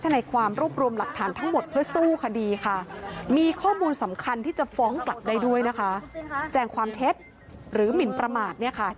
แล้วข่าวจะดังไปอีกครั้งหนึ่งนะครับ